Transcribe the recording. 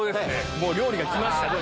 もう料理がきました！